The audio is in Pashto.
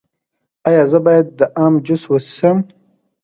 ایا زه باید د ام جوس وڅښم؟